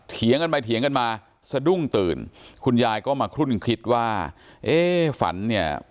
เถียงกันไปเถียงกันมาสะดุ้งตื่นคุณยายก็มาคลุ่นคิดว่าเอ๊ะฝันเนี่ย